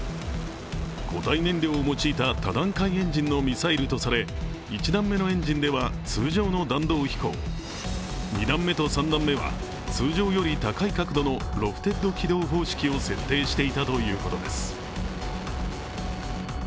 固体燃料を用いた多段階エンジンのミサイルとされ、１段目のエンジンでは通常の弾道飛行２段目と３段目は通常より高い角度のロフテッド軌道方式を設定していたということです。